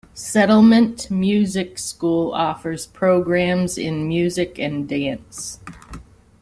Settlement Music School offers programs in music and dance.